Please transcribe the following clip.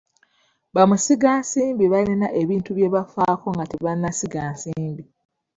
Bamusigansimbi balina ebintu bye bafaako nga tebannasiga nsimbi.